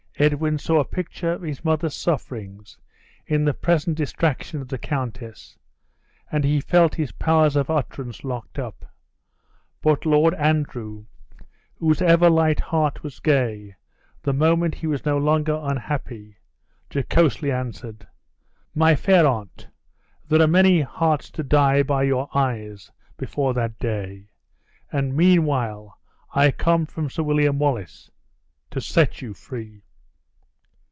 Edwin saw a picture of his mother's sufferings, in the present distraction of the countess; and he felt his powers of utterance locked up; but Lord Andrew, whose ever light heart was gay the moment he was no longer unhappy, jocosely answered, "My fair aunt, there are many hearts to die by your eyes before that day! and, meanwhile, I come from Sir William Wallace to set you free!"